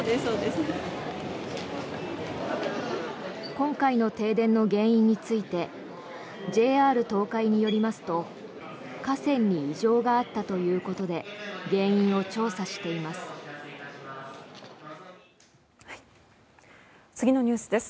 今回の停電の原因についてＪＲ東海によりますと架線に異常があったということで原因を調査しています。